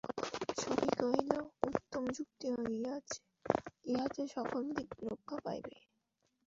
সখী কহিল উত্তম যুক্তি হইয়াছে ইহাতে সকল দিক রক্ষা পাইবেক।